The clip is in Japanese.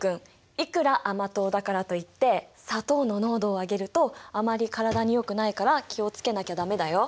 いくら甘党だからといって砂糖の濃度を上げるとあまり体によくないから気を付けなきゃ駄目だよ。